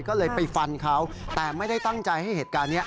ก็เลยไปฟันเขาแต่ไม่ได้ตั้งใจให้เหตุการณ์นี้